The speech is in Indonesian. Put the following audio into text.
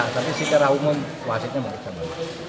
tapi si kera umum wasitnya masih sama